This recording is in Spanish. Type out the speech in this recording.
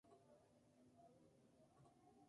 Las elecciones toman lugar cada cuatro años.